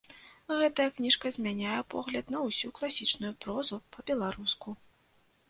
Гэтая кніжка змяняе погляд на ўсю класічную прозу па-беларуску.